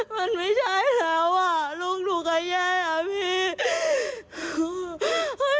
มันไม่ใช่แล้วอ่ะลูกหนูกับแย่อะพี่